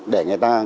để người ta